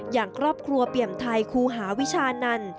อย่างครอบครัวเปี่ยมไทยครูหาวิชานันต์